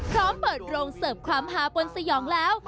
พร้อมเปิดโรงเสิร์ฟความฮาบนสยองแล้ว